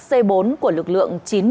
c bốn của lực lượng chín trăm một mươi một